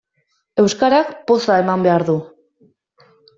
Euskarak poza eman behar du.